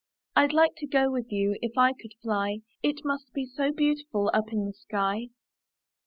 rd like to go with you If I could fly; It must be so beautiful Up in the sky!